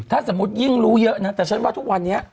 ถ้าสมมุติยิ่งรู้เยอะนะแต่ฉันว่าทุกวันนี้